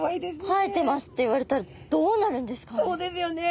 生えてますって言われたらどうなるんですかね。